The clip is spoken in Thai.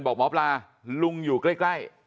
บอกหมอปลาลุงอยู่ใกล้